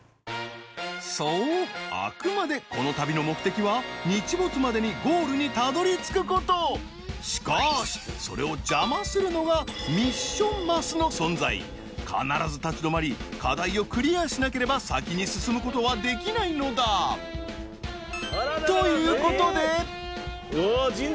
そうあくまでこの旅の目的は日没までにゴールにたどりつくことしかしそれを邪魔するのがミッションマスの存在必ず立ち止まり課題をクリアしなければ先に進むことはできないのだということでうお神社。